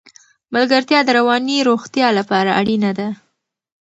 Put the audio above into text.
ملګرتیا د رواني روغتیا لپاره اړینه ده.